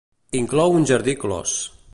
Inclou un jardí clos.